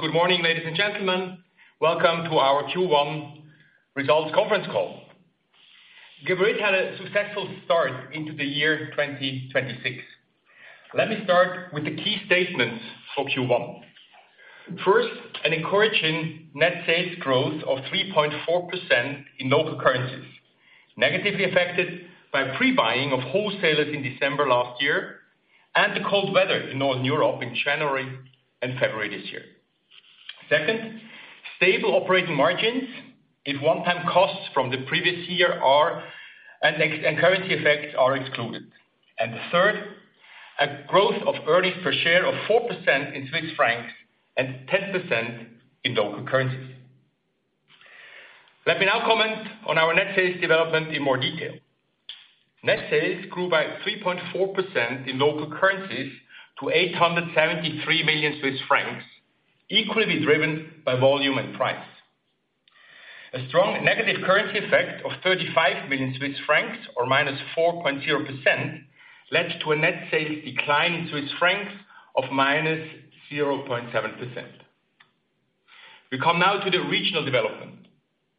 Good morning, ladies and gentlemen. Welcome to our Q1 results conference call. Geberit had a successful start into the year 2026. Let me start with the key statements for Q1. First, an encouraging net sales growth of 3.4% in local currencies, negatively affected by pre-buying of wholesalers in December last year and the cold weather in Northern Europe in January and February this year. Second, stable operating margins if one-time costs from the previous year are, and currency effects are excluded. The third, a growth of EPS of 4% in CHF and 10% in local currencies. Let me now comment on our net sales development in more detail. Net sales grew by 3.4% in local currencies to 873 million Swiss francs, equally driven by volume and price. A strong negative currency effect of 35 million Swiss francs, or minus 4.0%, led to a net sales decline in CHF of minus 0.7%. We come now to the regional development.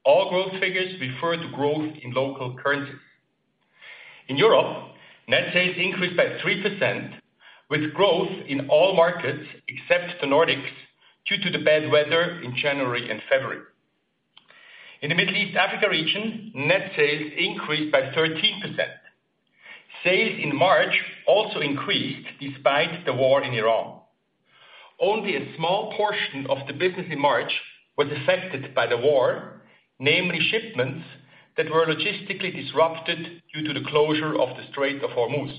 All growth figures refer to growth in local currencies. In Europe, net sales increased by 3%, with growth in all markets except the Nordics due to the bad weather in January and February. In the Middle East Africa region, net sales increased by 13%. Sales in March also increased despite the war in Iran. Only a small portion of the business in March was affected by the war, namely shipments that were logistically disrupted due to the closure of the Strait of Hormuz.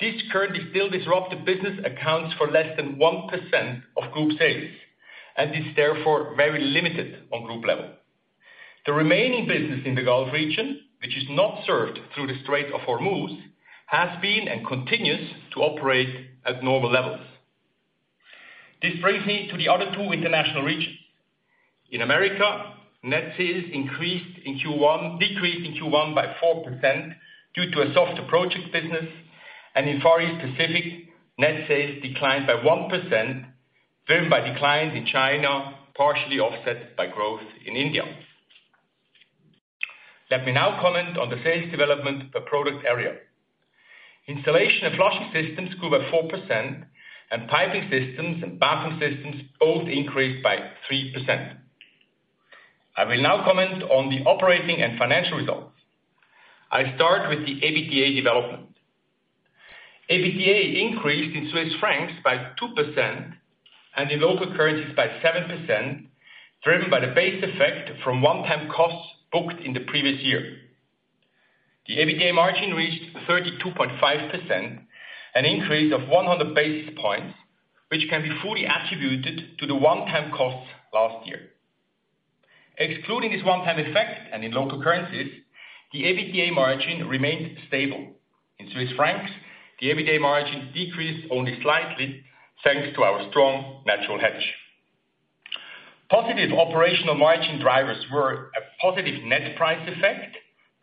This currently still disrupted business accounts for less than 1% of group sales and is therefore very limited on group level. The remaining business in the Gulf region, which is not served through the Strait of Hormuz, has been and continues to operate at normal levels. This brings me to the other two international regions. In America, net sales decreased in Q1 by 4% due to a soft project business. In Far East Pacific, net sales declined by 1%, driven by declines in China, partially offset by growth in India. Let me now comment on the sales development per product area. Installation and Flushing Systems grew by 4%, and Piping Systems and Bathroom Systems both increased by 3%. I will now comment on the operating and financial results. I start with the EBITDA development. EBITDA increased in Swiss francs by 2% and in local currencies by 7%, driven by the base effect from one-time costs booked in the previous year. The EBITDA margin reached 32.5%, an increase of 100 basis points, which can be fully attributed to the one-time costs last year. Excluding this one-time effect and in local currencies, the EBITDA margin remained stable. In Swiss francs, the EBITDA margin decreased only slightly, thanks to our strong natural hedge. Positive operational margin drivers were a positive net price effect,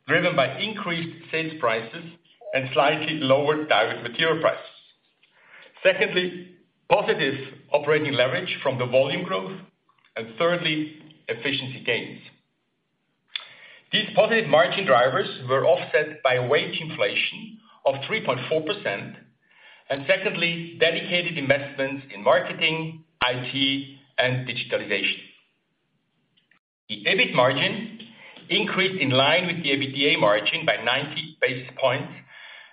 driven by increased sales prices and slightly lower direct material prices. Secondly, positive operating leverage from the volume growth. Thirdly, efficiency gains. These positive margin drivers were offset by wage inflation of 3.4%, and secondly, dedicated investments in marketing, IT, and digitalization. The EBIT margin increased in line with the EBITDA margin by 90 basis points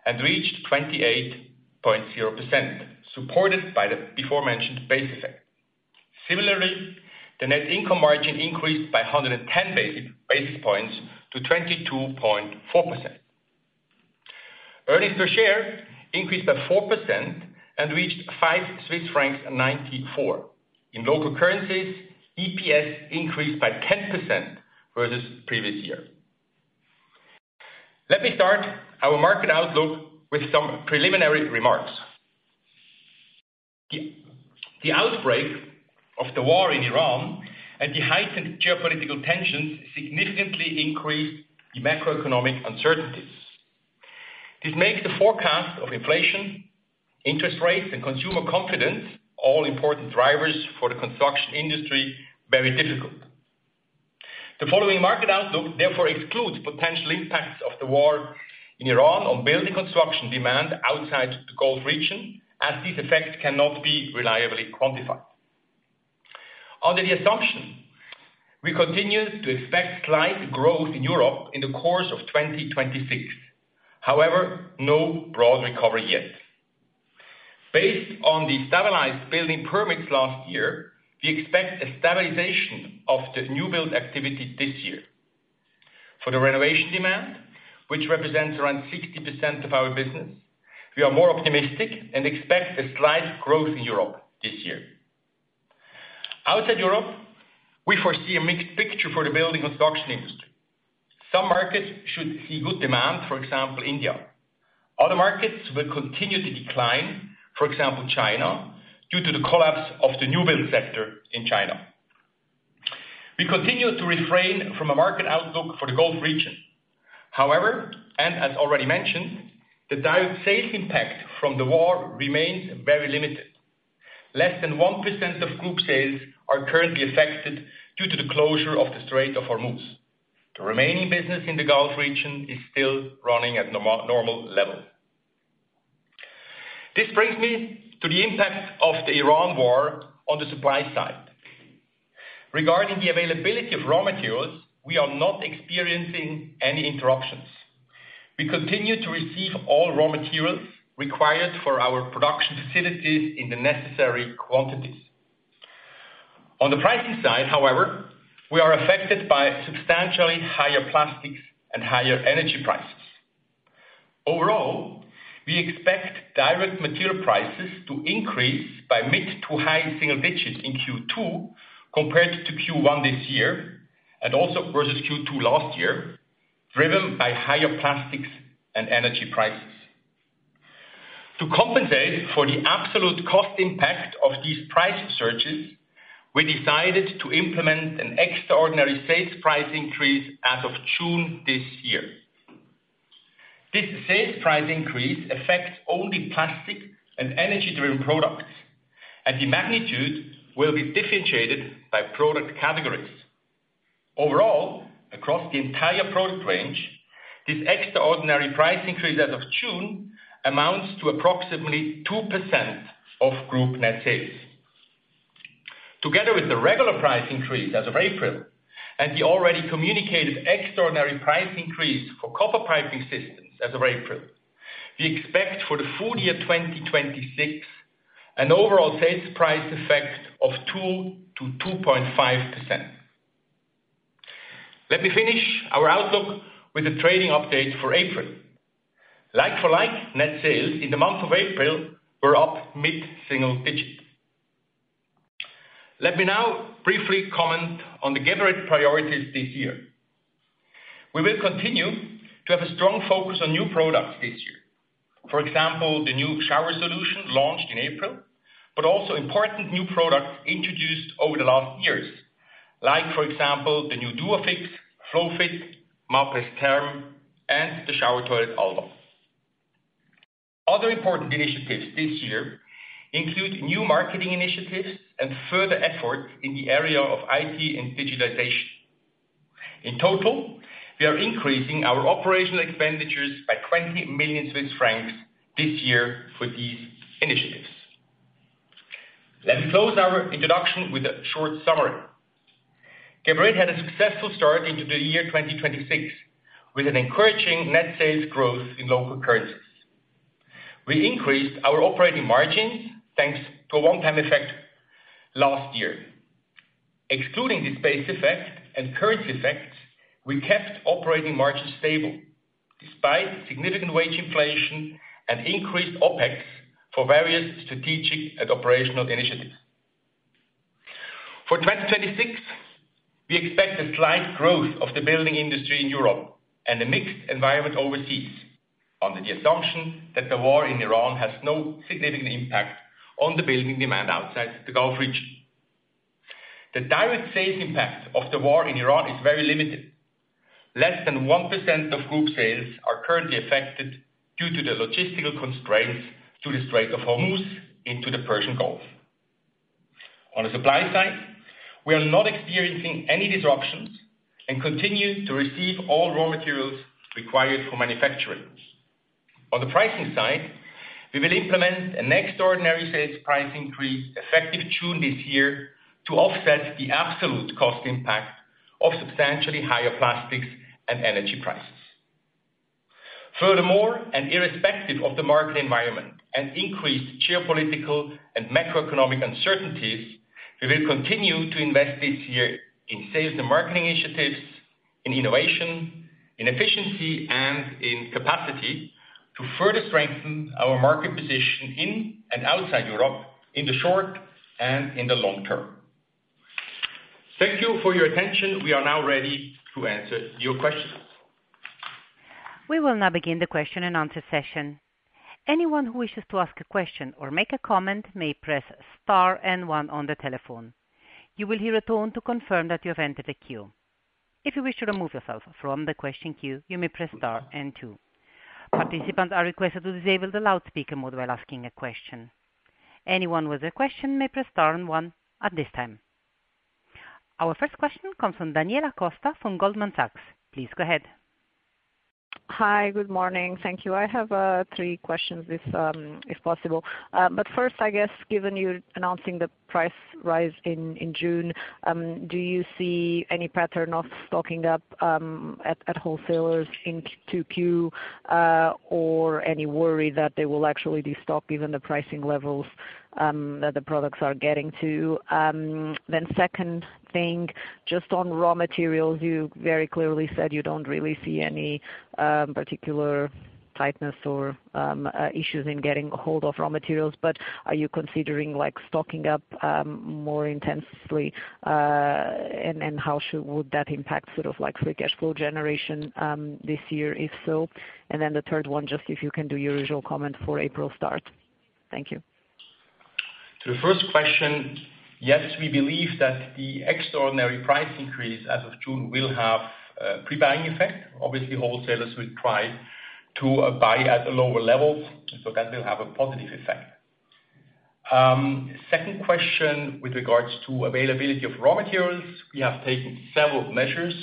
and reached 28.0%, supported by the beforementioned base effect. Similarly, the net income margin increased by 110 basis points to 22.4%. Earnings per share increased by 4% and reached 5.94 Swiss francs. In local currencies, EPS increased by 10% for this previous year. Let me start our market outlook with some preliminary remarks. The outbreak of the war in Iran and the heightened geopolitical tensions significantly increased the macroeconomic uncertainties. This makes the forecast of inflation, interest rates, and consumer confidence, all important drivers for the construction industry, very difficult. The following market outlook therefore excludes potential impacts of the war in Iran on building construction demand outside the Gulf region, as this effect cannot be reliably quantified. Under the assumption, we continue to expect slight growth in Europe in the course of 2026. However, no broad recovery yet. Based on the stabilized building permits last year, we expect a stabilization of the new build activity this year. For the renovation demand, which represents around 60% of our business, we are more optimistic and expect a slight growth in Europe this year. Outside Europe, we foresee a mixed picture for the building construction industry. Some markets should see good demand, for example, India. Other markets will continue to decline, for example, China, due to the collapse of the new build sector in China. We continue to refrain from a market outlook for the Gulf region. As already mentioned, the direct sales impact from the war remains very limited. Less than 1% of group sales are currently affected due to the closure of the Strait of Hormuz. The remaining business in the Gulf region is still running at normal level. This brings me to the impact of the Iran war on the supply side. Regarding the availability of raw materials, we are not experiencing any interruptions. We continue to receive all raw materials required for our production facilities in the necessary quantities. On the pricing side, however, we are affected by substantially higher plastics and higher energy prices. Overall, we expect direct material prices to increase by mid to high single digits in Q2 compared to Q1 this year and also versus Q2 last year, driven by higher plastics and energy prices. To compensate for the absolute cost impact of these price surges, we decided to implement an extraordinary sales price increase as of June this year. This sales price increase affects only plastic and energy-driven products, and the magnitude will be differentiated by product categories. Overall, across the entire product range, this extraordinary price increase as of June amounts to approximately 2% of group net sales. Together with the regular price increase as of April and the already communicated extraordinary price increase for copper Piping Systems as of April, we expect for the full year 2026 an overall sales price effect of 2%-2.5%. Let me finish our outlook with the trading update for April. Like for like net sales in the month of April were up mid-single digits. Let me now briefly comment on the Geberit priorities this year. We will continue to have a strong focus on new products this year. For example, the new shower solution launched in April, but also important new products introduced over the last years. Like for example, the new Duofix, FlowFit, Mapress Therm, and the shower toilet Alba. Other important initiatives this year include new marketing initiatives and further effort in the area of IT and digitalization. We are increasing our operational expenditures by 20 million Swiss francs this year for these initiatives. Let me close our introduction with a short summary. Geberit had a successful start into the year 2026 with an encouraging net sales growth in local currencies. We increased our operating margins thanks to a one-time effect last year. Excluding this base effect and currency effects, we kept operating margins stable despite significant wage inflation and increased OpEx for various strategic and operational initiatives. For 2026, we expect a slight growth of the building industry in Europe and a mixed environment overseas under the assumption that the war in Iran has no significant impact on the building demand outside the Gulf region. The direct sales impact of the war in Iran is very limited. Less than 1% of group sales are currently affected due to the logistical constraints to the Strait of Hormuz into the Persian Gulf. On the supply side, we are not experiencing any disruptions and continue to receive all raw materials required for manufacturing. On the pricing side, we will implement an extraordinary sales price increase effective June this year to offset the absolute cost impact of substantially higher plastics and energy prices. Furthermore, irrespective of the market environment and increased geopolitical and macroeconomic uncertainties, we will continue to invest this year in sales and marketing initiatives, in innovation, in efficiency, and in capacity to further strengthen our market position in and outside Europe in the short and in the long term. Thank you for your attention. We are now ready to answer your questions. Our first question comes from Daniela Costa from Goldman Sachs. Please go ahead. Hi. Good morning. Thank you. I have three questions if possible. First, I guess given you're announcing the price rise in June, do you see any pattern of stocking up at wholesalers in Q2Q, or any worry that they will actually de-stock given the pricing levels that the products are getting to? Second thing, just on raw materials, you very clearly said you don't really see any particular tightness or issues in getting hold of raw materials. Are you considering, like, stocking up more intensely? How should that impact sort of like free cash flow generation this year, if so? The third one, just if you can do your usual comment for April start. Thank you. To the first question, yes, we believe that the extraordinary price increase as of June will have a pre-buying effect. Obviously, wholesalers will try to buy at lower levels. That will have a positive effect. Second question with regards to availability of raw materials, we have taken several measures.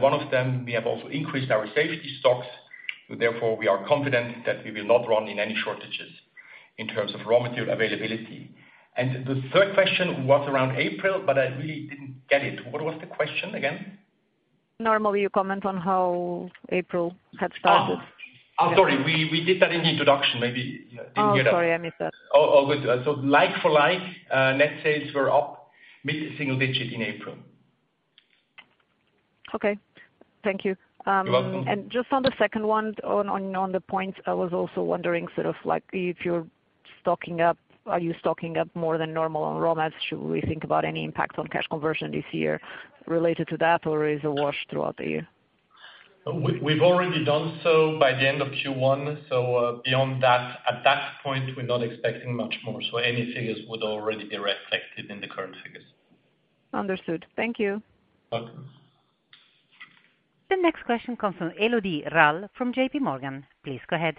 One of them, we have also increased our safety stocks. Therefore, we are confident that we will not run in any shortages in terms of raw material availability. The third question was around April. I really didn't get it. What was the question again? Normally, you comment on how April had started. Oh. I'm sorry. We did that in the introduction. Maybe you didn't get it. Oh, sorry, I missed that. All good. Like for like, net sales were up mid-single digit in April. Okay. Thank you. You're welcome. Just on the second one, on the points, I was also wondering sort of like if you're stocking up, are you stocking up more than normal on raw mats? Should we think about any impact on cash conversion this year related to that, or is it washed throughout the year? We've already done so by the end of Q1. Beyond that, at that point, we're not expecting much more, so anything else would already be reflected in the current figures. Understood. Thank you. Welcome. The next question comes from Elodie Rall from JPMorgan. Please go ahead.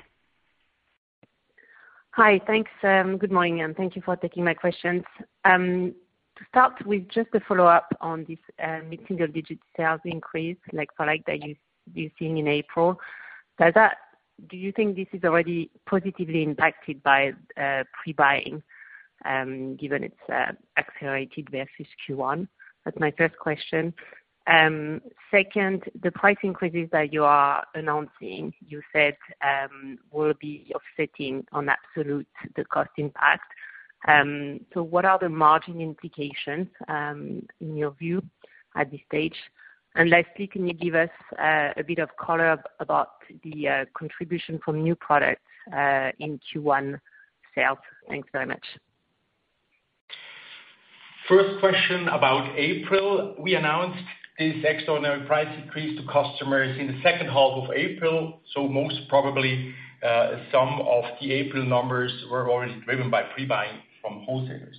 Hi. Thanks, good morning, and thank you for taking my questions. To start with just a follow-up on this mid-single-digit sales increase, like for like that you've seen in April. Do you think this is already positively impacted by pre-buying, given its accelerated versus Q1? That's my first question. Second, the price increases that you are announcing, you said, will be offsetting on absolute the cost impact. What are the margin implications in your view at this stage? Lastly, can you give us a bit of color about the contribution from new products in Q1 sales? Thanks so much. First question about April, we announced this extraordinary price increase to customers in the second half of April, so most probably, some of the April numbers were already driven by pre-buying from wholesalers.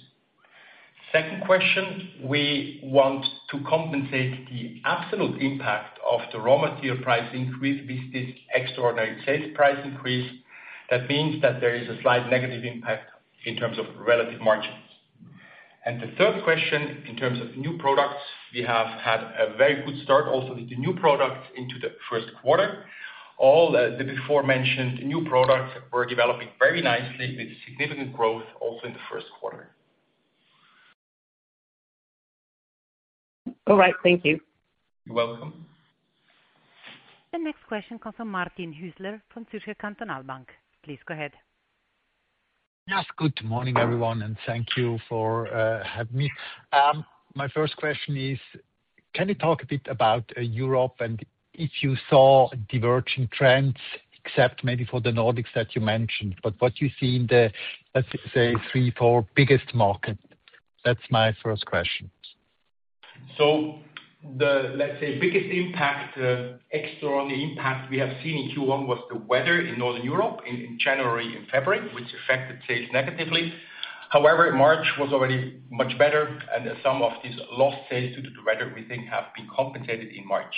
Second question. We want to compensate the absolute impact of the raw material price increase with this extraordinary sales price increase. That means that there is a slight negative impact in terms of relative margins. The third question, in terms of new products, we have had a very good start also with the new product into the first quarter. All, the before mentioned new products were developing very nicely with significant growth also in the first quarter. All right. Thank you. You're welcome. The next question comes from Martin Hüsler from Zürcher Kantonalbank. Please go ahead. Yes, good morning, everyone, thank you for having me. My first question is, can you talk a bit about Europe and if you saw diverging trends, except maybe for the Nordics that you mentioned, but what you see in the three, four biggest markets? That's my first question. The, let's say, biggest impact, extraordinary impact we have seen in Q1 was the weather in Northern Europe in January and February, which affected sales negatively. March was already much better, and some of these lost sales due to the weather, we think, have been compensated in March.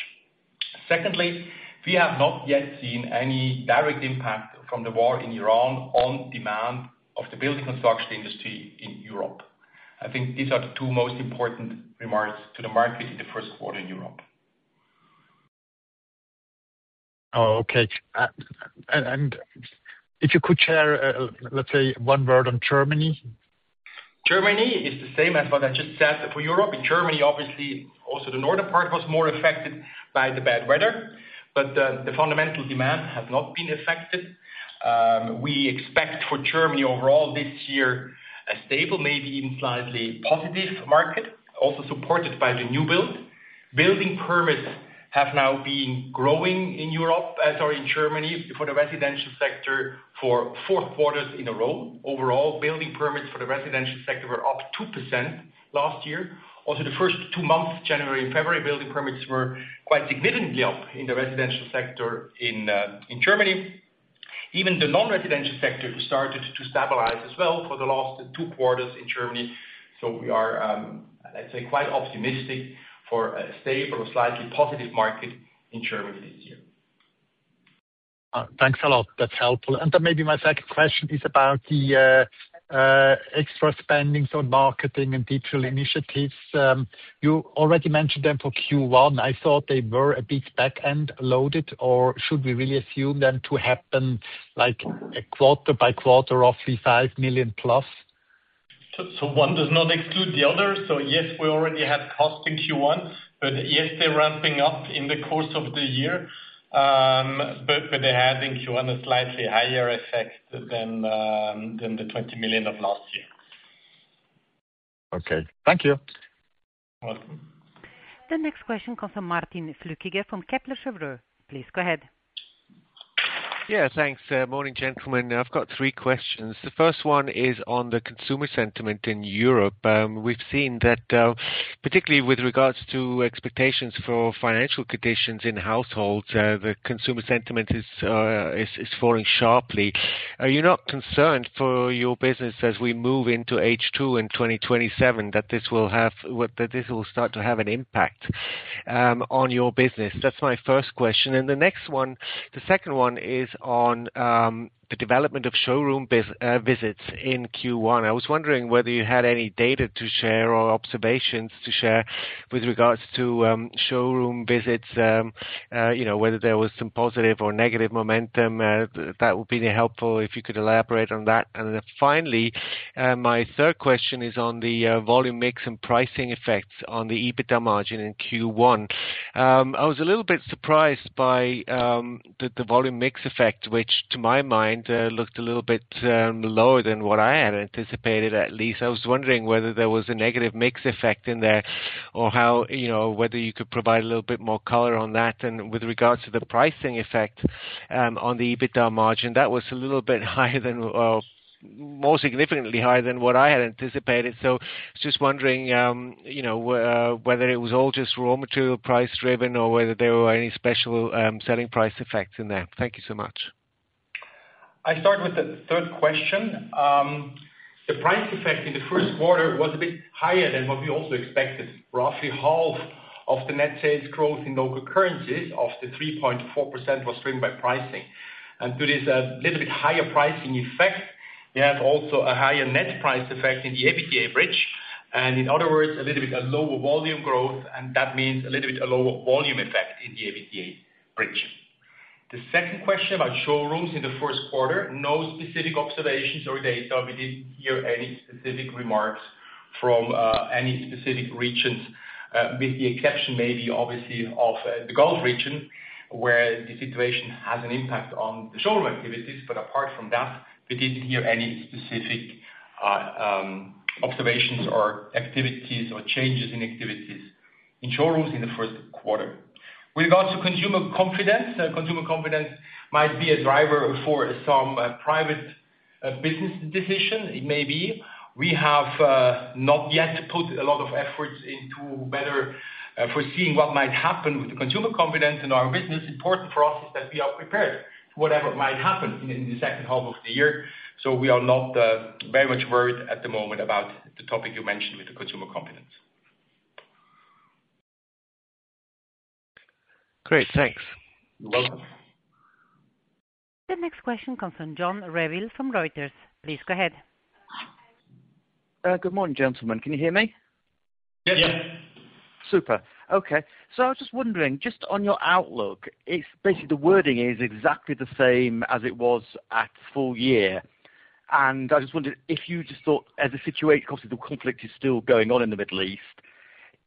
Secondly, we have not yet seen any direct impact from the war in Iran on demand of the building construction industry in Europe. I think these are the two most important remarks to the market in the first quarter in Europe. Oh, okay. If you could share, let's say, one word on Germany. Germany is the same as what I just said for Europe. In Germany, obviously, also the northern part was more affected by the bad weather, but the fundamental demand has not been affected. We expect for Germany overall this year, a stable, maybe even slightly positive market, also supported by the new build. Building permits have now been growing in Europe, as are in Germany, for the residential sector for four quarters in a row. Overall, building permits for the residential sector were up 2% last year. Also, the first two months, January and February, building permits were quite significantly up in the residential sector in Germany. Even the non-residential sector started to stabilize as well for the last two quarters in Germany. We are, let's say, quite optimistic for a stable or slightly positive market in Germany this year. Thanks a lot. That's helpful. Maybe my second question is about the extra spendings on marketing and digital initiatives. You already mentioned them for Q1. I thought they were a bit back-end loaded. Should we really assume them to happen like a quarter by quarter of the 5 million+? One does not exclude the other. Yes, we already had cost in Q1, but yes, they're ramping up in the course of the year. But they had in Q1 a slightly higher effect than the 20 million of last year. Okay. Thank you. Welcome. The next question comes from Martin Flueckiger from Kepler Cheuvreux. Please go ahead. Yeah, thanks. Morning, gentlemen. I've got three questions. The first one is on the consumer sentiment in Europe. We've seen that, particularly with regards to expectations for financial conditions in households, the consumer sentiment is falling sharply. Are you not concerned for your business as we move into H2 in 2027, that this will start to have an impact on your business? That's my first question. The next one, the second one is on the development of showroom visits in Q1. I was wondering whether you had any data to share or observations to share with regards to showroom visits, you know, whether there was some positive or negative momentum. That would be helpful if you could elaborate on that. Finally, my third question is on the volume mix and pricing effects on the EBITDA margin in Q1. I was a little bit surprised by the volume mix effect, which to my mind, looked a little bit lower than what I had anticipated, at least. I was wondering whether there was a negative mix effect in there or how, you know, whether you could provide a little bit more color on that. With regards to the pricing effect on the EBITDA margin, that was a little bit higher than more significantly higher than what I had anticipated. I was just wondering, you know, whether it was all just raw material price driven or whether there were any special selling price effects in there. Thank you so much. I start with the third question. The price effect in the first quarter was a bit higher than what we also expected. Roughly half of the net sales growth in local currencies of the 3.4% was driven by pricing. To this, a little bit higher pricing effect, we have also a higher net price effect in the EBITDA bridge, and in other words, a little bit a lower volume growth, and that means a little bit a lower volume effect in the EBITDA bridge. The second question about showrooms in the first quarter, no specific observations or data. We didn't hear any specific remarks from any specific regions, with the exception maybe obviously of the Gulf region, where the situation has an impact on the showroom activities. Apart from that, we didn't hear any specific observations or activities or changes in activities in showrooms in the first quarter. With regards to consumer confidence, consumer confidence might be a driver for some private business decision. It may be. We have not yet put a lot of efforts into better foreseeing what might happen with the consumer confidence in our business. Important for us is that we are prepared whatever might happen in the second half of the year. We are not very much worried at the moment about the topic you mentioned with the consumer confidence. Great. Thanks. Welcome. The next question comes from John Revill from Reuters. Please go ahead. Good morning, gentlemen. Can you hear me? Yeah. Yeah. Super. Okay. I was just wondering, just on your outlook, it's basically the wording is exactly the same as it was at full year. I just wondered if you just thought as obviously, the conflict is still going on in the Middle East.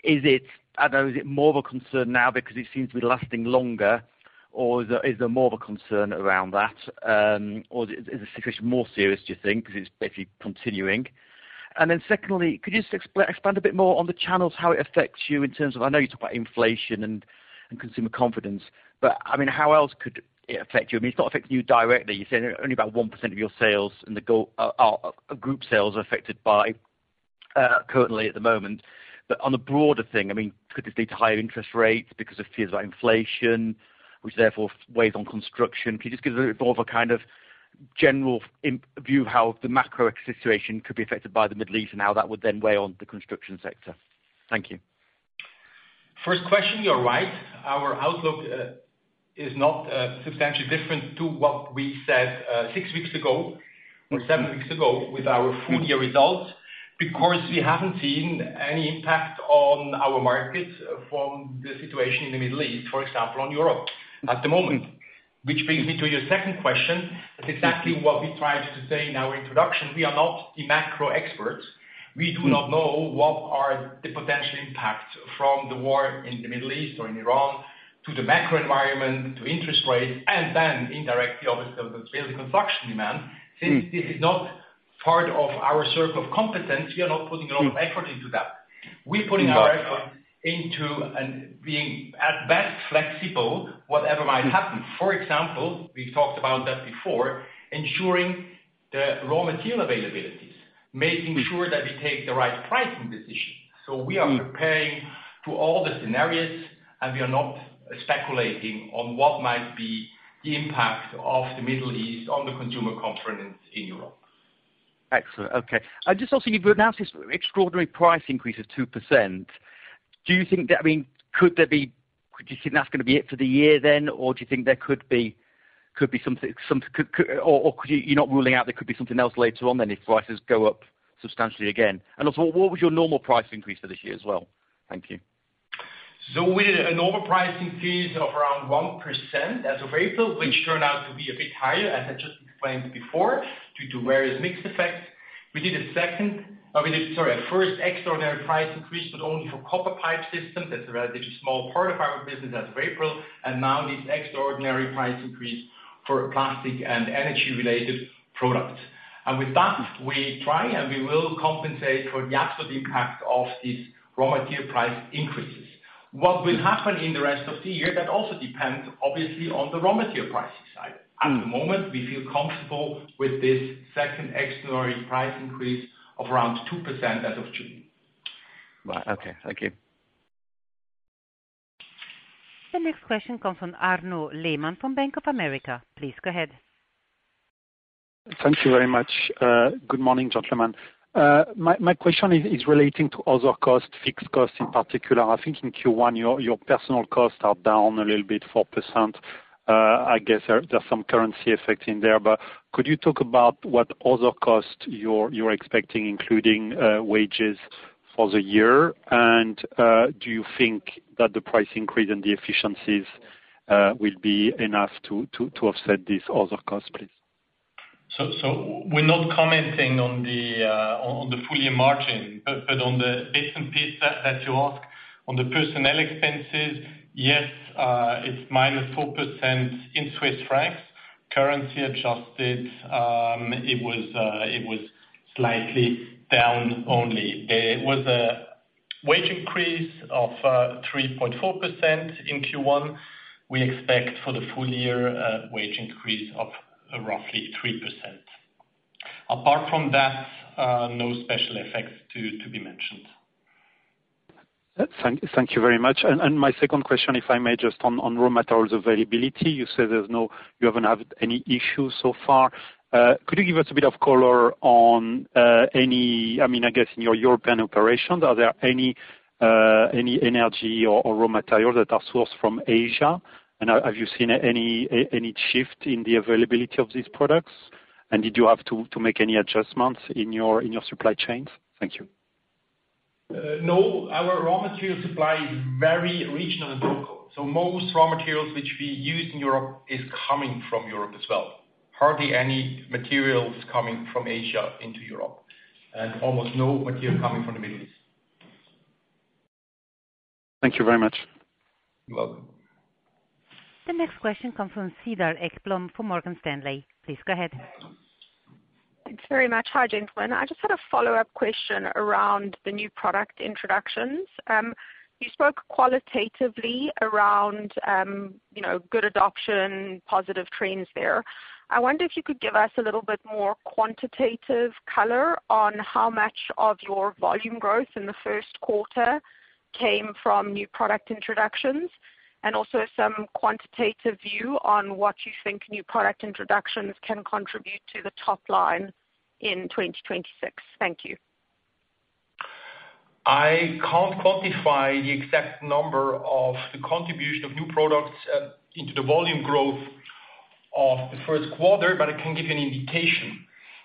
Is it, I don't know, is it more of a concern now because it seems to be lasting longer, or is there more of a concern around that? Is the situation more serious, do you think, because it's basically continuing? Secondly, could you just expand a bit more on the channels, how it affects you in terms of I know you talked about inflation and consumer confidence, but, I mean, how else could it affect you? I mean, it's not affecting you directly. You said only about 1% of your sales in the group sales are affected by currently at the moment. On the broader thing, I mean, could this lead to higher interest rates because of fears about inflation, which therefore weighs on construction? Can you just give us a bit more of a kind of general view of how the macro situation could be affected by the Middle East and how that would then weigh on the construction sector? Thank you. First question, you're right. Our outlook is not substantially different to what we said six weeks ago or seven weeks ago with our full year results, because we haven't seen any impact on our markets from the situation in the Middle East, for example, on Europe at the moment. This brings me to your second question. That's exactly what we tried to say in our introduction. We are not the macro experts. We do not know what are the potential impacts from the war in the Middle East or in Iran to the macro environment, to interest rates, and then indirectly, obviously, the build construction demand. Since this is not part of our circle of competence, we are not putting a lot of effort into that. We're putting our effort into being at best flexible, whatever might happen. For example, we talked about that before, ensuring the raw material availabilities, making sure that we take the right pricing decision. We are preparing to all the scenarios, and we are not speculating on what might be the impact of the Middle East on the consumer confidence in Europe. Excellent. Okay. Just also, you've announced this extraordinary price increase of 2%. Do you think that, I mean, do you think that's gonna be it for the year then, or do you think there could be something or could you You're not ruling out there could be something else later on then if prices go up substantially again? What was your normal price increase for this year as well? Thank you. We had a normal pricing increase of around 1% as of April, which turned out to be a bit higher, as I just explained before, due to various mix effects. We did a 1st extraordinary price increase, but only for copper pipe systems. That's a relatively small part of our business as of April, and now this extraordinary price increase for plastic and energy-related products. With that, we try and we will compensate for the absolute impact of these raw material price increases. What will happen in the rest of the year, that also depends obviously on the raw material pricing side. At the moment, we feel comfortable with this second extraordinary price increase of around 2% as of June. Right. Okay, thank you. The next question comes from Arnaud Lehmann from Bank of America. Please go ahead. Thank you very much. Good morning, gentlemen. My question is relating to other costs, fixed costs in particular. I think in Q1, your personal costs are down a little bit 4%. I guess there are some currency effects in there, but could you talk about what other costs you're expecting, including wages for the year? Do you think that the pricing increase and the efficiencies will be enough to offset this other costs, please? We're not commenting on the full year margin. On the bit and piece that you ask on the personnel expenses, yes, it's -4% in CHF. Currency adjusted, it was slightly down only. It was a wage increase of 3.4% in Q1. We expect for the full year wage increase of roughly 3%. Apart from that, no special effects to be mentioned. Thank you very much. My second question, if I may, just on raw materials availability. You say you haven't had any issues so far. Could you give us a bit of color on any, I mean, I guess in your European operations, are there any energy or raw materials that are sourced from Asia? Have you seen any shift in the availability of these products? Did you have to make any adjustments in your supply chains? Thank you. No. Our raw material supply is very regional and local. Most raw materials which we use in Europe is coming from Europe as well. Hardly any materials coming from Asia into Europe, and almost no material coming from the Middle East. Thank you very much. You're welcome. The next question comes from Cedar Ekblom from Morgan Stanley. Please go ahead. Thanks very much. Hi, gentlemen. I just had a follow-up question around the new product introductions. You spoke qualitatively around, you know, good adoption, positive trends there. I wonder if you could give us a little bit more quantitative color on how much of your volume growth in the first quarter came from new product introductions, and also some quantitative view on what you think new product introductions can contribute to the top line in 2026. Thank you. I can't quantify the exact number of the contribution of new products into the volume growth of the first quarter, but I can give you an indication.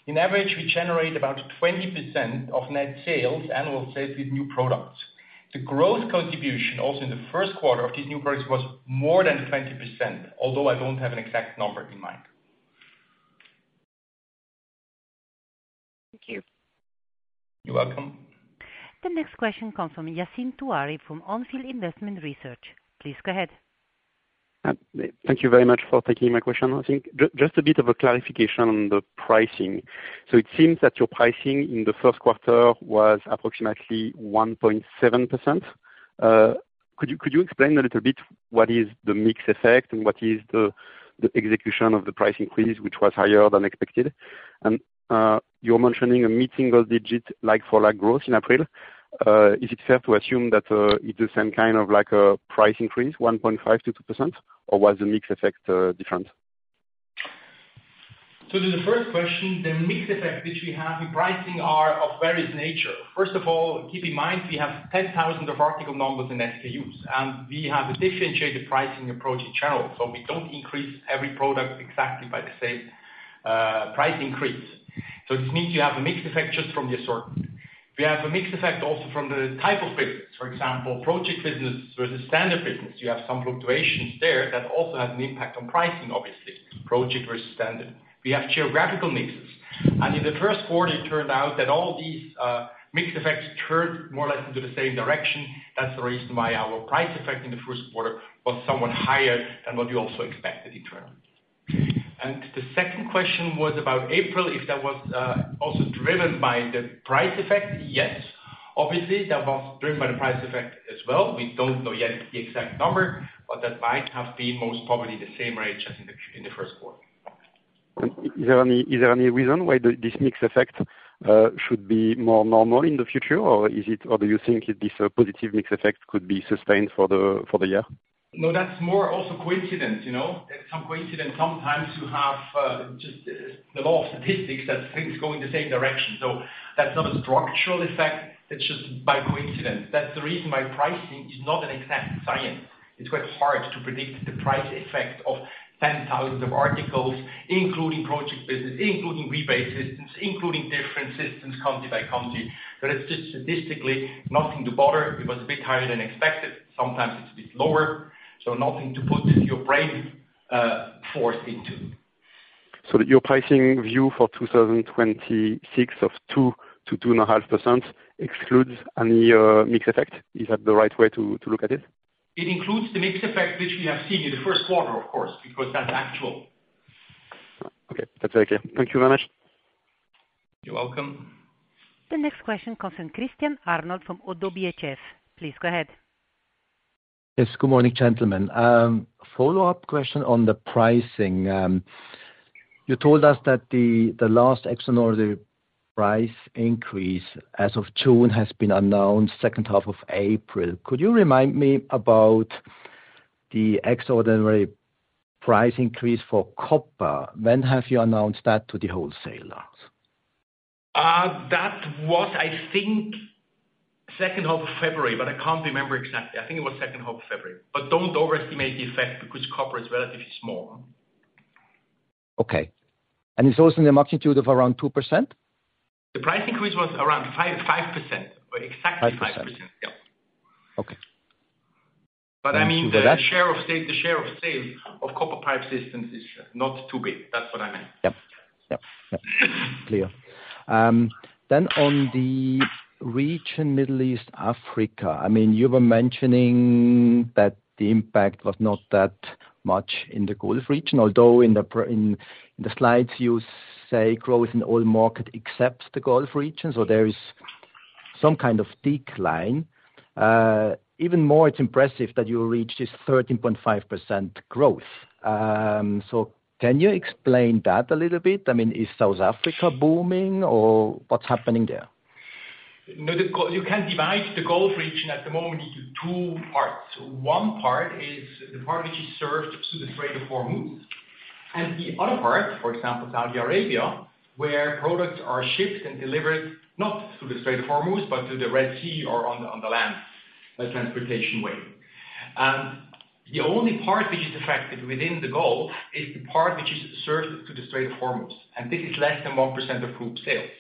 On average, we generate about 20% of net sales, annual sales with new products. The growth contribution also in the first quarter of these new products was more than 20%, although I don't have an exact number in mind. Thank you. You're welcome. The next question comes from Yassine Touahri from On Field Investment Research. Please go ahead. Thank you very much for taking my question, Yassine. Just a bit of a clarification on the pricing. It seems that your pricing in the first quarter was approximately 1.7%. Could you explain a little bit what is the mix effect and what is the execution of the price increase, which was higher than expected? You're mentioning a mid-single digit like for like growth in April. Is it fair to assume that it's the same kind of like a price increase, 1.5%-2%, or was the mix effect different? To the first question, the mix effect which we have in pricing are of various nature. First of all, keep in mind we have 10,000 of article numbers in SKUs, and we have a differentiated pricing approach in general. We don't increase every product exactly by the same price increase. It means you have a mix effect just from the assortment. We have a mix effect also from the type of business. For example, project business versus standard business. You have some fluctuations there that also have an impact on pricing, obviously, project versus standard. We have geographical mixes. In the first quarter, it turned out that all these mix effects turned more or less into the same direction. That's the reason why our price effect in the first quarter was somewhat higher than what we also expected internally. The second question was about April, if that was also driven by the price effect. Yes. Obviously, that was driven by the price effect as well. We don't know yet the exact number, but that might have been most probably the same rate as in the first quarter. Is there any, is there any reason why this mix effect should be more normal in the future, or do you think this positive mix effect could be sustained for the, for the year? No, that's more also coincidence, you know. It's some coincidence sometimes you have just the law of statistics that things go in the same direction. That's not a structural effect, it's just by coincidence. That's the reason why pricing is not an exact science. It's quite hard to predict the price effect of 10,000 of articles, including project business, including rebate systems, including different systems country by country. It's just statistically nothing to bother. It was a bit higher than expected. Sometimes it's a bit lower. Nothing to put your brain force into. Your pricing view for 2026 of 2% to 2.5% excludes any mix effect? Is that the right way to look at it? It includes the mix effect which we have seen in the first quarter, of course, because that's actual. That's okay. Thank you very much. You're welcome. The next question comes from Christian Arnold from ODDO BHF. Please go ahead. Yes. Good morning, gentlemen. Follow-up question on the pricing. You told us that the last extraordinary price increase as of June has been announced second half of April. Could you remind me about the extraordinary price increase for copper? When have you announced that to the wholesalers? That was, I think, second half of February, but I can't remember exactly. I think it was second half of February. Don't overestimate the effect because copper is relatively small. Okay. It's also in the magnitude of around 2%? The price increase was around 5%. Exactly 5%. 5 %. Yeah. Okay. I mean, the share of safe of copper pipe systems is not too big. That's what I meant. Yeah. Yeah. Yeah. Clear. On the region Middle East/Africa, I mean, you were mentioning that the impact was not that much in the Gulf region, although in the slides, you say growth in all market except the Gulf region. There is some kind of decline. Even more, it's impressive that you reached this 13.5% growth. Can you explain that a little bit? I mean, is South Africa booming or what's happening there? No, you can divide the Gulf region at the moment into two parts. One part is the part which is served through the Strait of Hormuz, and the other part, for example, Saudi Arabia, where products are shipped and delivered not through the Strait of Hormuz, but through the Red Sea or on the land by transportation way. The only part which is affected within the Gulf is the part which is served to the Strait of Hormuz, and this is less than 1% of group sales.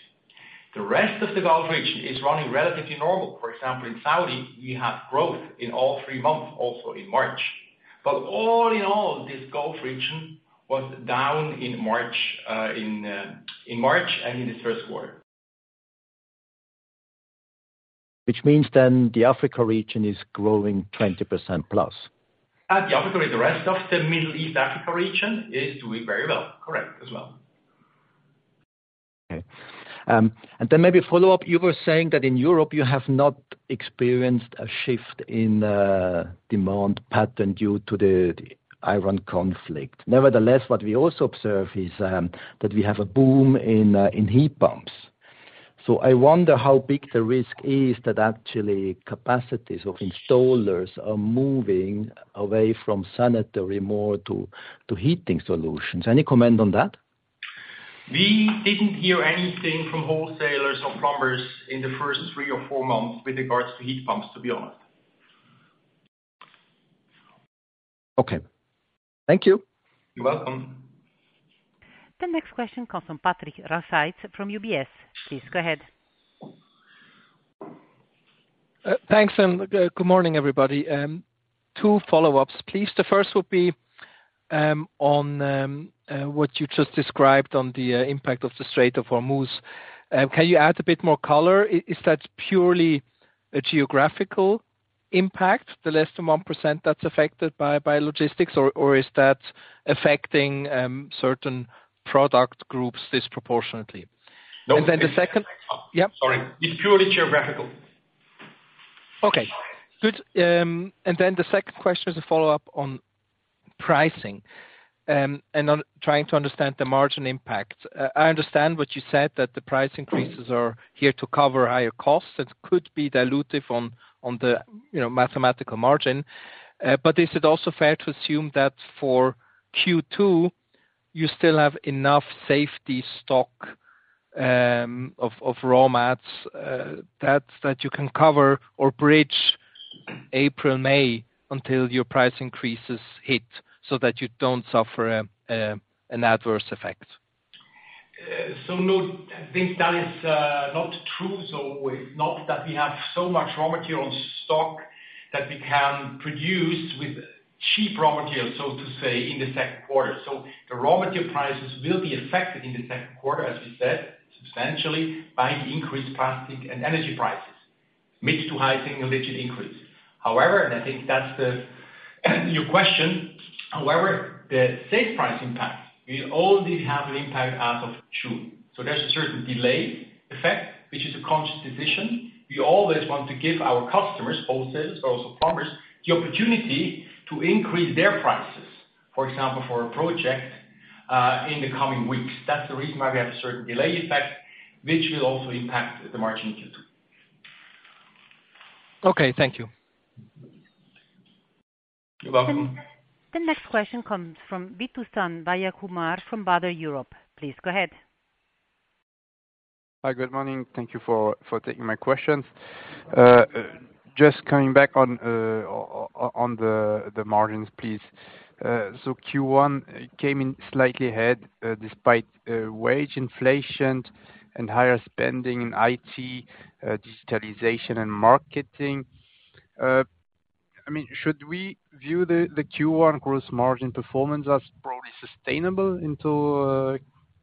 The rest of the Gulf region is running relatively normal. For example, in Saudi, we have growth in all three months, also in March. All in all, this Gulf region was down in March and in the first quarter. The Africa region is growing 20%+. The rest of the Middle East/Africa region is doing very well. Correct as well. Okay. Maybe follow up, you were saying that in Europe you have not experienced a shift in demand pattern due to the Iran conflict. Nevertheless, what we also observe is that we have a boom in heat pumps. I wonder how big the risk is that actually capacities of installers are moving away from sanitary more to heating solutions. Any comment on that? We didn't hear anything from wholesalers or plumbers in the first three or four months with regards to heat pumps, to be honest. Okay. Thank you. You're welcome. The next question comes from Patrick Rossaint from UBS. Please go ahead. Thanks and good morning, everybody. Two follow-ups, please. The first would be on what you just described on the impact of the Strait of Hormuz. Can you add a bit more color? Is that purely a geographical impact, the less than 1% that's affected by logistics or is that affecting certain product groups disproportionately? The second- Sorry. It's purely geographical. Okay. Good. The second question is a follow-up on pricing and on trying to understand the margin impact. I understand what you said that the price increases are here to cover higher costs. That could be dilutive on the, you know, mathematical margin. Is it also fair to assume that for Q2, you still have enough safety stock of raw mats that you can cover or bridge April, May until your price increases hit so that you don't suffer an adverse effect? No, I think that is not true. Not that we have so much raw material on stock that we can produce with cheap raw material, so to say, in the second quarter. The raw material prices will be affected in the second quarter, as we said, substantially by the increased plastic and energy prices, mid to high single-digit increase. However, and I think that's your question. However, the safe price impact will only have an impact as of June. There's a certain delay effect, which is a conscious decision. We always want to give our customers, wholesalers, but also plumbers, the opportunity to increase their prices, for example, for a project in the coming weeks. That's the reason why we have a certain delay effect, which will also impact the margin in Q2. Okay. Thank you. You're welcome. The next question comes from Vithushan Vadachamoor from Berenberg Europe. Please go ahead. Hi. Good morning. Thank you for taking my questions. Just coming back on the margins, please. Q1 came in slightly ahead, despite wage inflation and higher spending in IT, digitalization and marketing. I mean, should we view the Q1 gross margin performance as probably sustainable into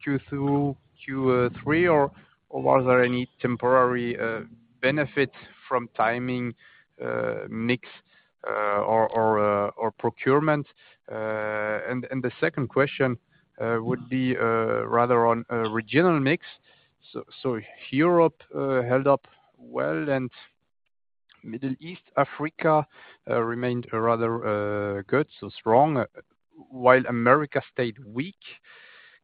Q2, Q3, or was there any temporary benefit from timing, mix, or procurement? The second question would be rather on a regional mix. Europe held up well, and Middle East Africa remained rather good, so strong, while America stayed weak.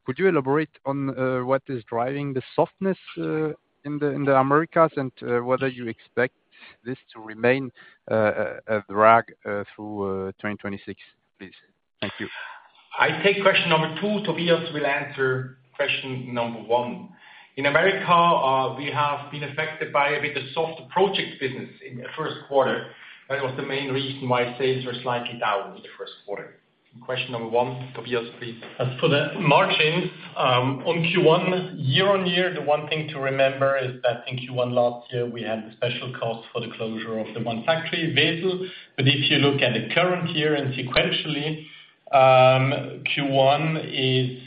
Could you elaborate on what is driving the softness in the Americas and whether you expect this to remain a drag through 2026, please? Thank you. I take question number 2, Tobias will answer question number 1. In America, we have been affected by a bit of softer project business in the first quarter. That was the main reason why sales were slightly down in the first quarter. Question number 1, Tobias, please. As for the margin, on Q1 year-on-year, the one thing to remember is that in Q1 last year, we had the special cost for the closure of the one factory, Wesel. If you look at the current year and sequentially, Q1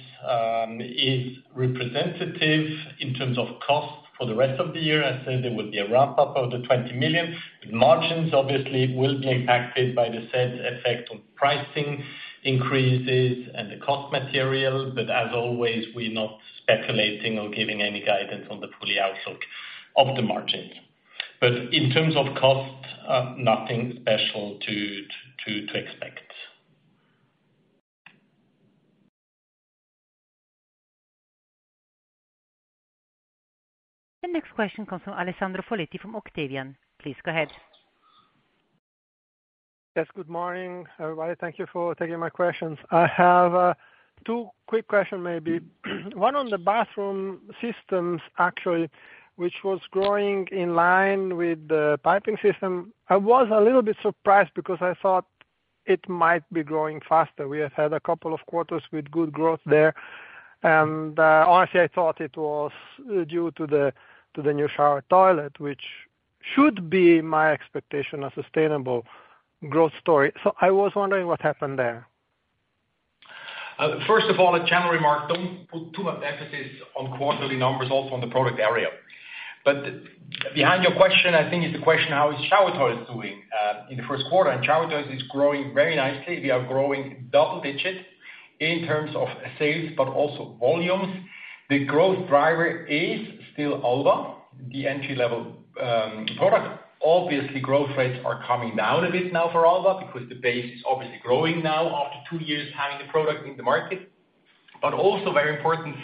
is representative in terms of cost for the rest of the year. I said there would be a wrap-up of the 20 million. Margins obviously will be impacted by the said effect on pricing increases and the cost material. As always, we're not speculating or giving any guidance on the fully outlook of the margins. In terms of cost, nothing special to expect. The next question comes from Alessandro Poletti from Octavian. Please go ahead. Yes, good morning, everybody. Thank you for taking my questions. I have two quick questions maybe. One on the Bathroom Systems actually, which was growing in line with the Piping Systems. I was a little bit surprised because I thought it might be growing faster. We have had a couple of quarters with good growth there. Honestly, I thought it was due to the new shower toilet, which should be my expectation, a sustainable growth story. I was wondering what happened there. First of all, a general remark, don't put too much emphasis on quarterly numbers also on the product area. Behind your question, I think it's the question how is shower toilets doing in the first quarter. Shower toilets is growing very nicely. We are growing double digits in terms of sales, but also volumes. The growth driver is still Alba, the entry-level product. Obviously, growth rates are coming down a bit now for Alba because the base is obviously growing now after two years having the product in the market. Also very important,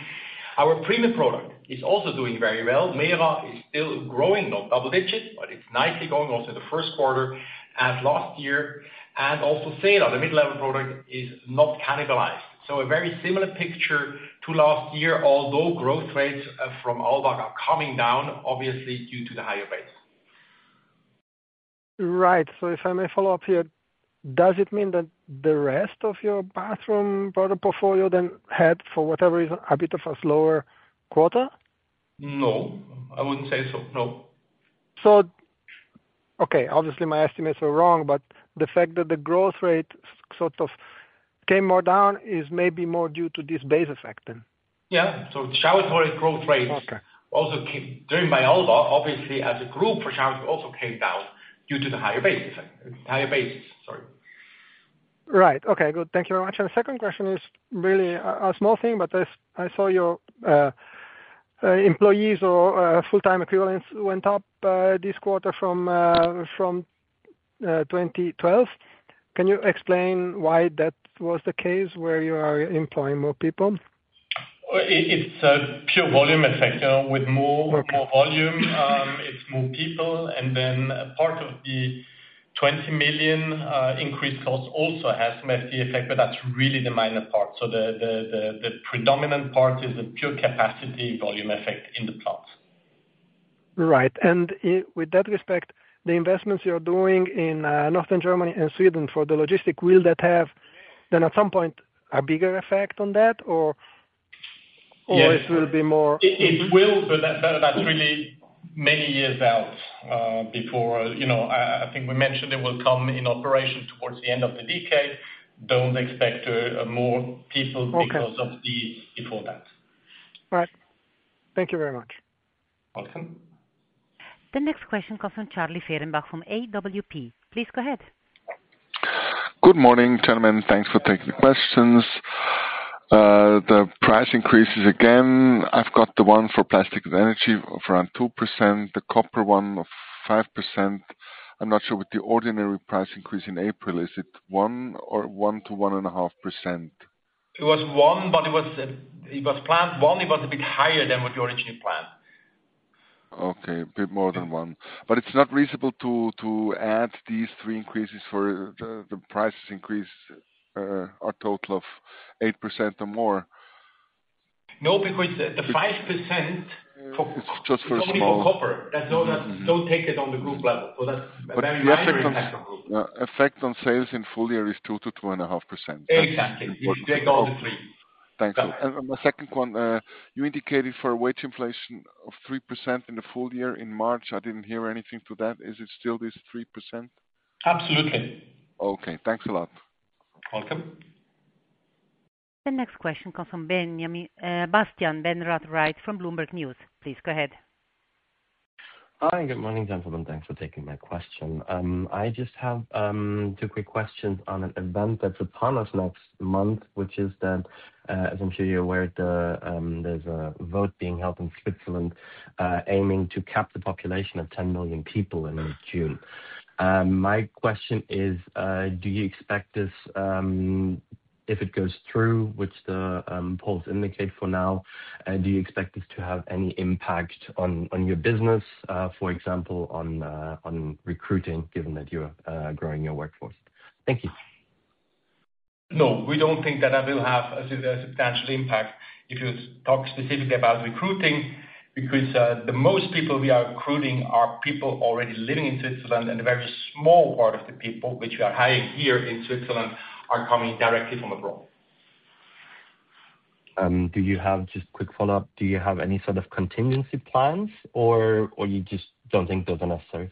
our premium product is also doing very well. Mera is still growing, not double digits, but it's nicely going also the first quarter as last year. Also Sela, the mid-level product, is not cannibalized. A very similar picture to last year, although growth rates from Alba are coming down, obviously, due to the higher base. Right. If I may follow up here, does it mean that the rest of your bathroom product portfolio then had, for whatever reason, a bit of a slower quarter? No, I wouldn't say so, no. Okay, obviously my estimates were wrong, but the fact that the growth rate sort of came more down is maybe more due to this base effect then. Yeah. shower toilets growth rates- Okay Driven by AquaClean Alba, obviously, as a group, for sure, also came down due to the higher base effect. Higher base, sorry. Right. Okay, good. Thank you very much. The second question is really a small thing, but I saw your employees or full-time equivalents went up this quarter from 2012. Can you explain why that was the case where you are employing more people? It's a pure volume effect. Okay more volume, it's more people. Part of the 20 million increased cost also has messy effect, but that's really the minor part. The predominant part is the pure capacity volume effect in the plant. Right. With that respect, the investments you are doing in northern Germany and Sweden for the logistics, will that have then at some point a bigger effect on that or? Yes or it will be more- It will, but that's really many years out, before, you know I think we mentioned it will come in operation towards the end of the decade. Don't expect more people. Okay because of the, before that. Right. Thank you very much. Welcome. The next question comes from Charlie Fehrenbach from AWP. Please go ahead. Good morning, gentlemen. Thanks for taking the questions. The price increases again, I've got the one for plastic and energy of around 2%, the copper one of 5%. I'm not sure with the ordinary price increase in April, is it 1% or 1%-1.5%? It was one, but it was planned. It was a bit higher than what we originally planned. Okay. A bit more than 1. It's not reasonable to add these three increases for the prices increase, a total of 8% or more. No, because the 5%. It's just for small- only for copper. That's all, don't take it on the group level. That's a very minor impact on the group. The effect on sales in full year is 2%-2.5%. Exactly. You take all the three. Thanks. My second one, you indicated for a wage inflation of 3% in the full year in March. I didn't hear anything to that. Is it still this 3%? Absolutely. Okay. Thanks a lot. Welcome. The next question comes from Bastian Benrath from Bloomberg News. Please go ahead. Hi, good morning, gentlemen. Thanks for taking my question. I just have two quick questions on an event that's upon us next month, which is that, as I'm sure you're aware, there's a vote being held in Switzerland, aiming to cap the population of 10 million people in June. My question is, do you expect this, if it goes through, which the polls indicate for now, do you expect this to have any impact on your business, for example, on recruiting, given that you're growing your workforce? Thank you. No, we don't think that that will have a substantial impact. If you talk specifically about recruiting, because the most people we are recruiting are people already living in Switzerland, and a very small part of the people which we are hiring here in Switzerland are coming directly from abroad. Just quick follow-up. Do you have any sort of contingency plans or you just don't think those are necessary?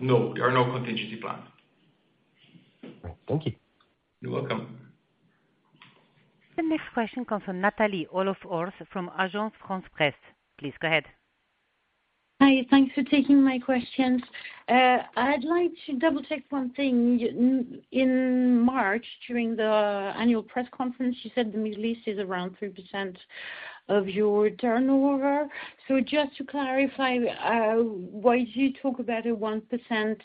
No, there are no contingency plans. Thank you. You're welcome. The next question comes from Nathalie Olof-Ors from Agence France-Presse. Please go ahead. Hi. Thanks for taking my questions. I'd like to double-check one thing. In March, during the annual press conference, you said the Middle East is around 3% of your turnover. Just to clarify, why do you talk about a 1%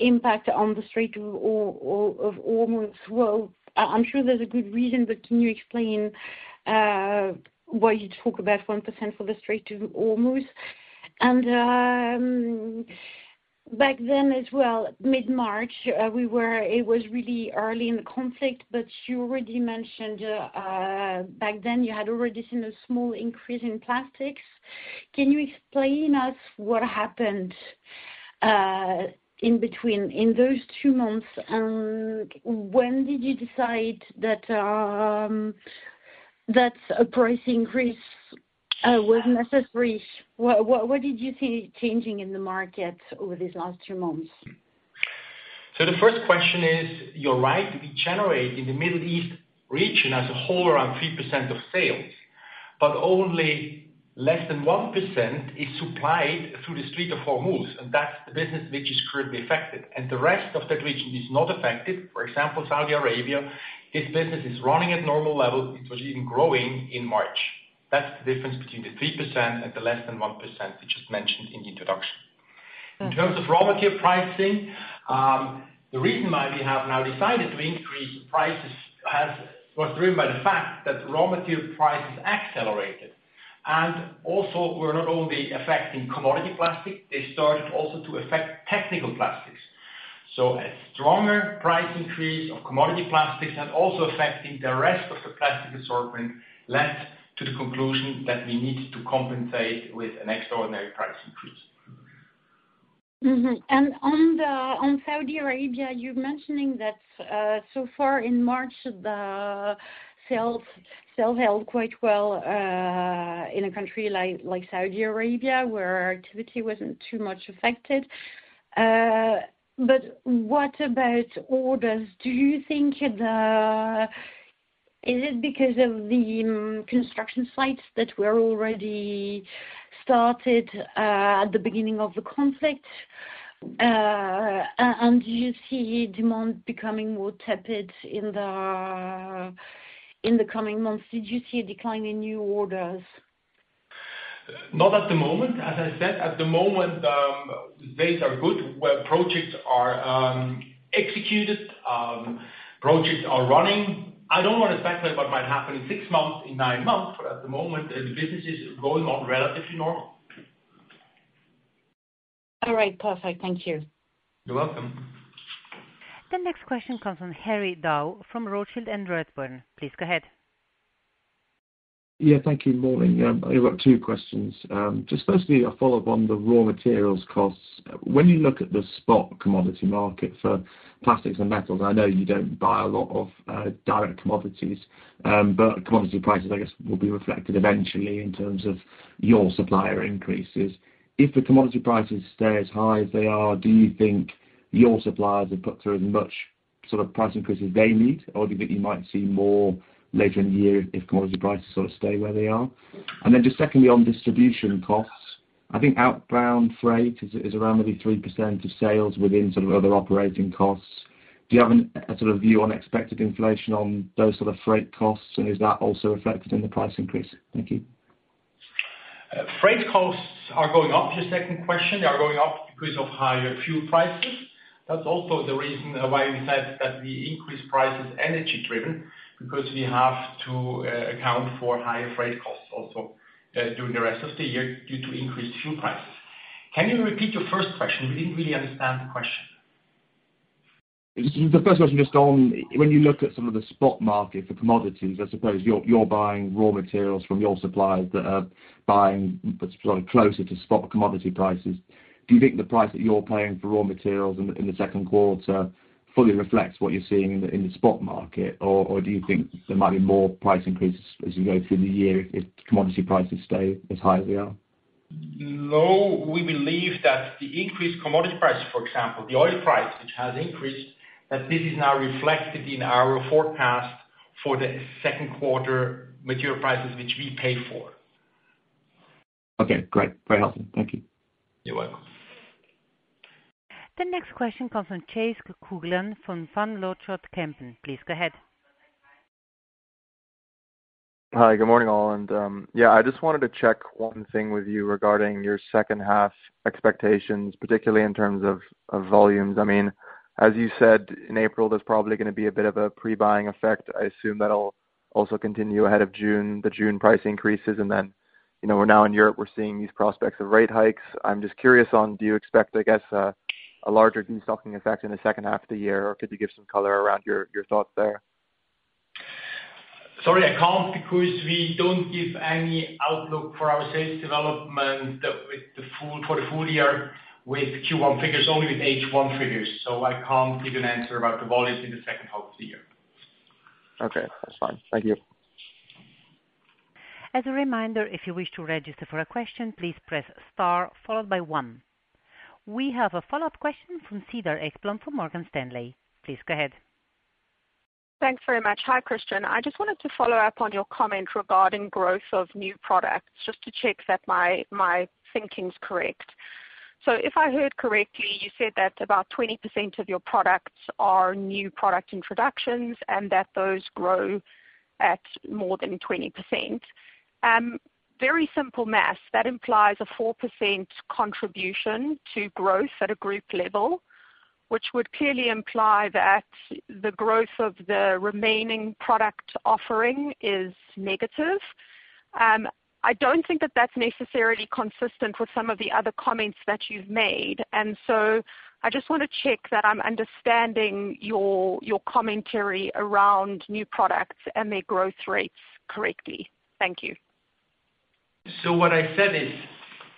impact on the Strait of Hormuz? I'm sure there's a good reason, but can you explain why you talk about 1% for the Strait of Hormuz? Back then as well, mid-March, it was really early in the conflict, but you already mentioned back then you had already seen a small increase in plastics. Can you explain us what happened in between, in those 2 months? When did you decide that a pricing increase was necessary? What did you see changing in the market over these last two months? The first question is, you're right. We generate in the Middle East region as a whole around 3% of sales, but only less than 1% is supplied through the Strait of Hormuz, and that's the business which is currently affected. The rest of that region is not affected. For example, Saudi Arabia, this business is running at normal levels. It was even growing in March. That's the difference between the 3% and the less than 1%, which is mentioned in the introduction. In terms of raw material pricing, the reason why we have now decided to increase prices was driven by the fact that raw material prices accelerated. Also were not only affecting commodity plastic, they started also to affect technical plastics. A stronger price increase of commodity plastics and also affecting the rest of the plastic assortment led to the conclusion that we needed to compensate with an extraordinary price increase. On Saudi Arabia, you're mentioning that so far in March, the sales still held quite well in a country like Saudi Arabia, where activity wasn't too much affected. What about orders? Do you think it is because of the construction sites that were already started at the beginning of the conflict? And do you see demand becoming more tepid in the coming months? Did you see a decline in new orders? Not at the moment. As I said, at the moment, things are good. Where projects are, executed, projects are running. I don't wanna speculate what might happen in 6 months, in 9 months, but at the moment, the business is going on relatively normal. All right. Perfect. Thank you. You're welcome. The next question comes from Harry Dow from Rothschild & Co Redburn. Please go ahead. Yeah, thank you. Morning. I've got two questions. Just firstly, a follow-up on the raw materials costs. When you look at the spot commodity market for plastics and metals, I know you don't buy a lot of direct commodities, but commodity prices, I guess, will be reflected eventually in terms of your supplier increases. If the commodity prices stay as high as they are, do you think your suppliers have put through as much sort of price increases they need, or do you think you might see more later in the year if commodity prices sort of stay where they are? Just secondly, on distribution costs, I think outbound freight is around maybe 3% of sales within sort of other operating costs. Do you have a sort of view on expected inflation on those sort of freight costs, and is that also reflected in the price increase? Thank you. Freight costs are going up. Your second question, they are going up because of higher fuel prices. That's also the reason why we said that the increase price is energy driven, because we have to account for higher freight costs also during the rest of the year due to increased fuel prices. Can you repeat your first question? We didn't really understand the question. The first question just on when you look at some of the spot market for commodities, I suppose you're buying raw materials from your suppliers that are buying sort of closer to spot commodity prices. Do you think the price that you're paying for raw materials in the second quarter fully reflects what you're seeing in the spot market, or do you think there might be more price increases as you go through the year if commodity prices stay as high as they are? No. We believe that the increased commodity prices, for example, the oil price which has increased, that this is now reflected in our forecast for the second quarter material prices which we pay for. Okay, great. Very helpful. Thank you. You're welcome. The next question comes from Chase Kuglen from Van Lanschot Kempen. Please go ahead. Hi, good morning, all. Yeah, I just wanted to check one thing with you regarding your second half expectations, particularly in terms of volumes. I mean, as you said in April, there's probably gonna be a bit of a pre-buying effect. I assume that'll also continue ahead of June, the June price increases. Then, you know, we're now in Europe, we're seeing these prospects of rate hikes. I'm just curious on, do you expect, I guess, a larger destocking effect in the second half of the year? Or could you give some color around your thoughts there? Sorry, I can't because we don't give any outlook for our sales development for the full year with Q1 figures, only with H1 figures. I can't give an answer about the volumes in the second half of the year. Okay. That's fine. Thank you. As a reminder, if you wish to register for a question, please press star followed by one. We have a follow-up question from Cedar Ekblom from Morgan Stanley. Please go ahead. Thanks very much. Hi, Christian. I just wanted to follow up on your comment regarding growth of new products, just to check that my thinking is correct. If I heard correctly, you said that about 20% of your products are new product introductions, and that those grow at more than 20%. Very simple math, that implies a 4% contribution to growth at a group level, which would clearly imply that the growth of the remaining product offering is negative. I don't think that that's necessarily consistent with some of the other comments that you've made. I just wanna check that I'm understanding your commentary around new products and their growth rates correctly. Thank you. What I said is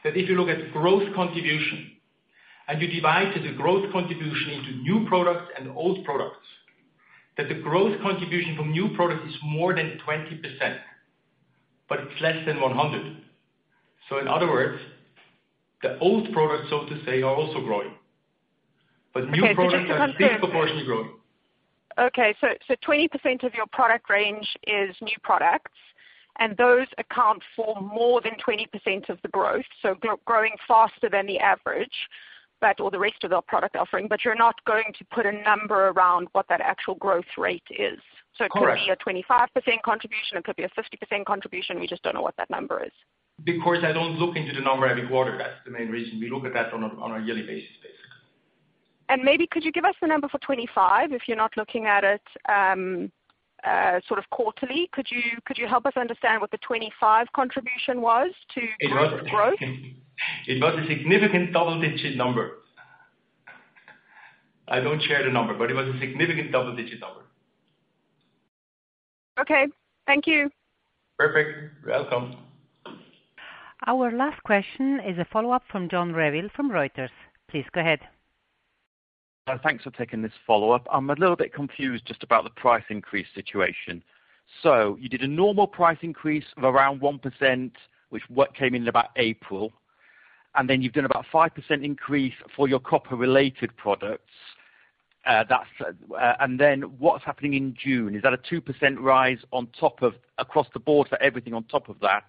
that if you look at growth contribution and you divide the growth contribution into new products and old products, that the growth contribution from new products is more than 20%, but it's less than 100%. In other words, the old products, so to say, are also growing. Okay. Just to confirm. Are disproportionately growing. Okay. 20% of your product range is new products, and those account for more than 20% of the growth, so growing faster than the average, or the rest of the product offering, but you're not going to put a number around what that actual growth rate is. Correct. It could be a 25% contribution, it could be a 50% contribution. We just don't know what that number is. I don't look into the number every quarter. That's the main reason. We look at that on a yearly basis, basically. Maybe could you give us the number for 25 if you're not looking at it, sort of quarterly? Could you help us understand what the 25 contribution was? It was- Growth? It was a significant double-digit number. I don't share the number, but it was a significant double-digit number. Okay. Thank you. Perfect. Welcome. Our last question is a follow-up from John Revill from Reuters. Please go ahead. Thanks for taking this follow-up. I'm a little bit confused just about the price increase situation. You did a normal price increase of around 1%, which what came in about April, and then you've done about 5% increase for your copper-related products. That's, and then what's happening in June? Is that a 2% rise on top of across the board for everything on top of that?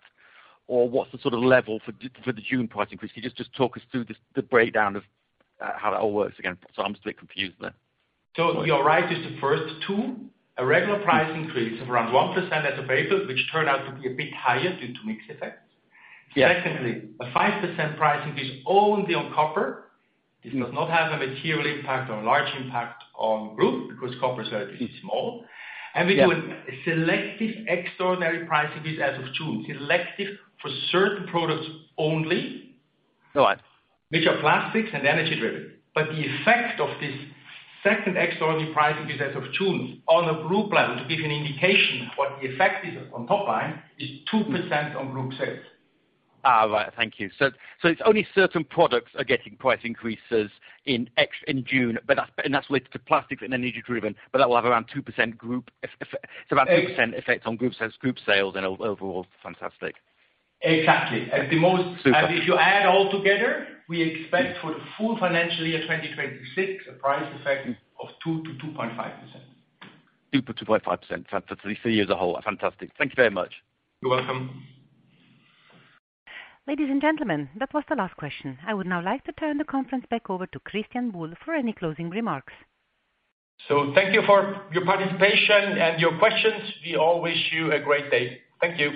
Or what's the sort of level for the June price increase? Can you just talk us through this, the breakdown of, how that all works again? I'm just a bit confused there. You are right with the first two. A regular price increase of around 1% as of April, which turned out to be a bit higher due to mix effects. Yeah. A 5% price increase only on copper. This does not have a material impact or a large impact on group because copper is relatively small. Yeah. We do a selective extraordinary price increase as of June. Selective for certain products only. Right. Which are plastics and energy-driven. The effect of this second extraordinary pricing increase as of June on a group level, to give you an indication what the effect is on top line, is 2% on group sales. Right. Thank you. It's only certain products are getting price increases in June, that's related to plastics and energy driven, that will have around 2% group effect on group sales and overall. Fantastic. Exactly. Super. If you add all together, we expect for the full financial year 2026 a price effect of 2%-2.5%. 2.5% for the year as a whole. Fantastic. Thank you very much. You're welcome. Ladies and gentlemen, that was the last question. I would now like to turn the conference back over to Christian Buhl for any closing remarks. Thank you for your participation and your questions. We all wish you a great day. Thank you.